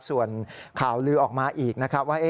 ส่วนข่าวลือออกมาอีกนะครับว่า